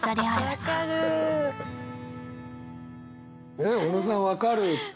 えっ小野さん「分かる」って。